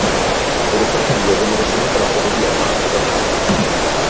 Le restanti due vennero cedute alla ferrovia Mantova-Peschiera.